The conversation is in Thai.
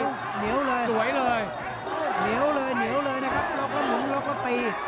เหนียวเลยสวยเลยเหนียวเลยเหนียวเลยนะครับล็อกแล้วหลงล็อกแล้วตี